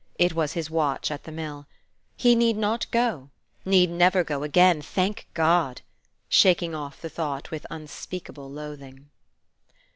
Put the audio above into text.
It was his watch at the mill. He need not go, need never go again, thank God! shaking off the thought with unspeakable loathing.